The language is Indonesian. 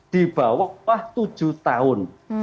di bawah tujuh tahun